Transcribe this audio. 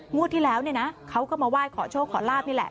งวดที่แล้วเนี่ยนะเขาก็มาไหว้ขอโชคขอลาบนี่แหละ